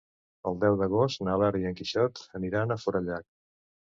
El deu d'agost na Lara i en Quixot aniran a Forallac.